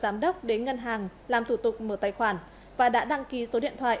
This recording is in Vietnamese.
vân đặt vấn đề hỗ trợ giám đốc đến ngân hàng làm thủ tục mở tài khoản và đã đăng ký số điện thoại